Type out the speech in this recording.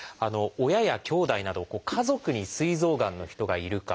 親やきょうだいなど家族にすい臓がんの人がいるか。